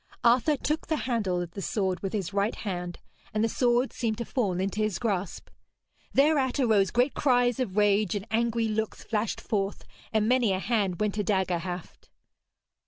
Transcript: Arthur took the handle of the sword with his right hand, and the sword seemed to fall into his grasp. Thereat arose great cries of rage, and angry looks flashed forth, and many a hand went to dagger haft.